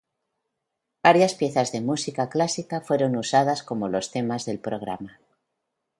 Varias piezas de música clásica fueron usadas como los temas del programa.